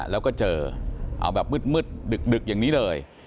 แล้วก็เจอในอาทิตย์มึดอย่างนี้เลย